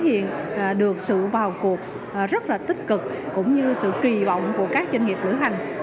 hiện được sự vào cuộc rất là tích cực cũng như sự kỳ vọng của các doanh nghiệp lửa hành